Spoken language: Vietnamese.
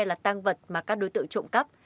là tang vật mà các đối tượng trộm cấp